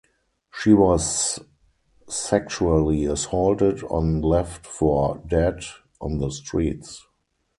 She was sexually assaulted and left for dead on the streets.